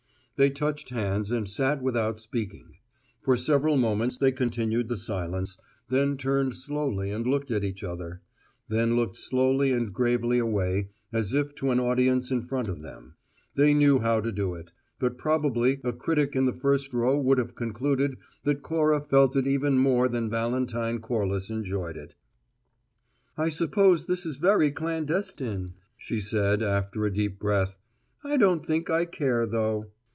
They touched hands and sat without speaking. For several moments they continued the silence, then turned slowly and looked at each other; then looked slowly and gravely away, as if to an audience in front of them. They knew how to do it; but probably a critic in the first row would have concluded that Cora felt it even more than Valentine Corliss enjoyed it. "I suppose this is very clandestine," she said, after a deep breath. "I don't think I care, though."